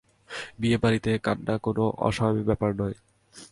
বিয়েবাড়িতে কান্না কোনো অস্বাভাবিক ব্যাপার নয়।